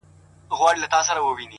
هره تجربه نوی درک راوړي؛